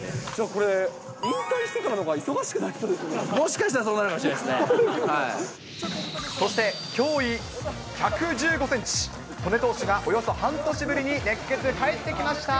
これ、引退してからのほうがもしかしたらそうなるかもしそして、胸囲１１５センチ、戸根投手が、およそ半年ぶりに熱ケツに帰ってきました。